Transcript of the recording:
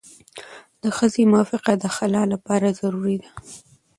د ښځې موافقه د خلع لپاره ضروري ده.